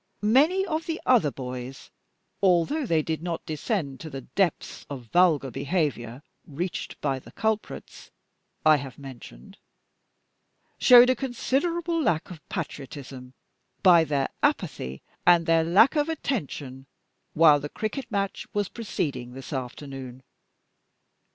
Many of the other boys, although they did not descend to the depths of vulgar behaviour reached by the culprits I have mentioned, showed a considerable lack of patriotism by their apathy and their lack of attention while the cricket match was proceeding this afternoon.